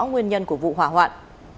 nguyên nhân của vụ hỏa hoạn